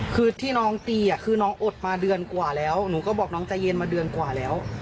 คือที่น้องตีคือน้องอดมาเดือนกว่าแล้วหนูก็บอกน้องใจเย็นมาเดือนกว่าแล้ว